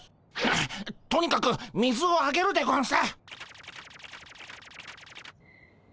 とにかく水をあげるでゴンス！